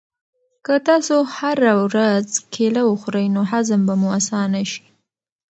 که تاسو هره ورځ کیله وخورئ نو هضم به مو اسانه شي.